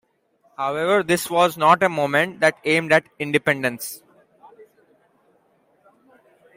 However, this was not a movement that aimed at independence.